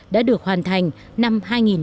đã được hoàn thành năm hai nghìn một mươi